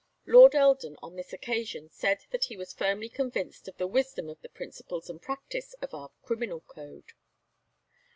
Lord Eldon on this occasion said that he was firmly convinced of the wisdom of the principles and practice of our criminal code.